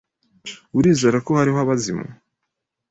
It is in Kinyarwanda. Urizera ko hariho abazimu?